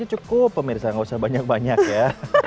ini cukup pemirsa nggak usah banyak banyak ya